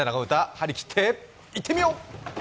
張り切っていってみよう！